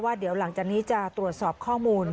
เดี๋ยวหลังจากนี้จะตรวจสอบข้อมูล